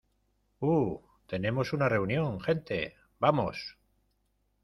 Uh, tenemos una reunión , gente. Vamos .